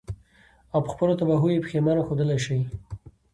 او په خپلو تباهيو ئې پښېمانه ښودلے شي.